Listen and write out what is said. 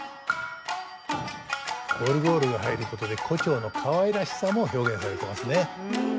オルゴールが入ることで胡蝶のかわいらしさも表現されてますね。